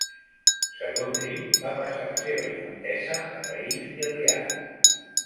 Segons ell, va passar la seva infantesa a Taïf i Riad.